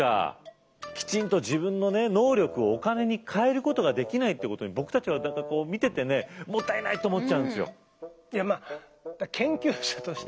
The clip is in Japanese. きちんと自分の能力をお金に変えることができないってことに僕たちは何かこう見ててねもったいないと思っちゃうんですよ。